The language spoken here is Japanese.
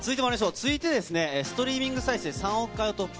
続いて、ストリーミング再生３億回を突破。